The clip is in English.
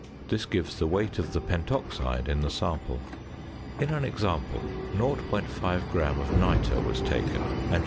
This gives the weight of the pentoxide in the sample. In an example, 0.5 gram of nitre was taken, and 59.